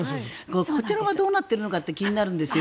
こちらがどうなっているか気になるんですよ。